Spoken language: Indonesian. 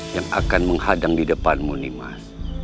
yang akan menghadang di depanmu nimas